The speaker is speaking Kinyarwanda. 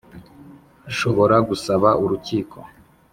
Ashobora gusaba urukiko .